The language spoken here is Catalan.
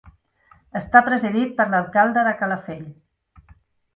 Està presidit per l'alcalde de Calafell.